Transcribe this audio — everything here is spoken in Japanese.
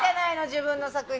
自分の作品。